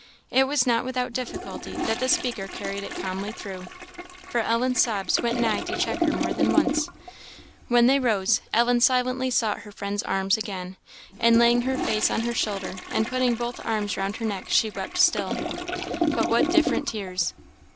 It was not without difficulty that the speaker carried it calmly through, for Ellen's sobs went nigh to check her more than once. When they rose, Ellen silently sought her friend's arms again, and laying her face on her shoulder and putting both arms round her neck, she wept still but what different tears!